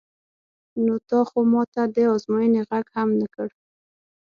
نو تا خو ما ته د ازموینې غږ هم نه کړ.